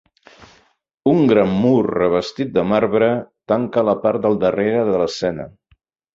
Un gran mur revestit de marbre tanca la part del darrere de l'escena.